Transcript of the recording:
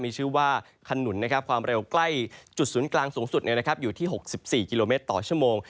มีชื่อว่าขนุนความเร็วใกล้จุดศูนย์กลางสูงสุดอยู่ที่๖๔กิโลเมตรต่อชั่วโมง